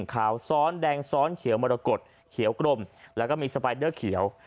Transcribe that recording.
ขาวซ้อนแดงซ้อนเขียวมรกฏเขียวกลมแล้วก็มีสปายเดอร์เขียว